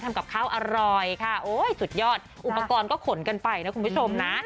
ทำกับข้าวอร่อยค่ะโอ้ยสุดยอดอุปกรณ์ก็ขนกันไปนะคุณผู้ชมนะ